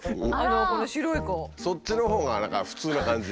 そっちのほうが何か普通な感じ。